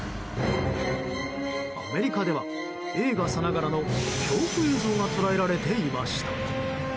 アメリカでは映画さながらの恐怖映像が捉えられていました。